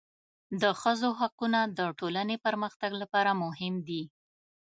د ښځو حقونه د ټولنې پرمختګ لپاره مهم دي.